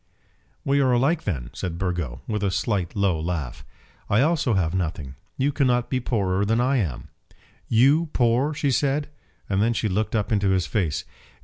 "We are alike then," said Burgo, with a slight low laugh. "I also have nothing. You cannot be poorer than I am." "You poor!" she said. And then she looked up into his face.